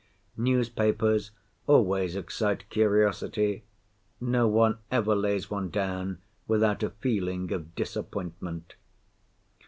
Newspapers always excite curiosity. No one ever lays one down without a feeling of disappointment.